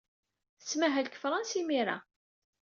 Tettmahal deg Fṛansa imir-a.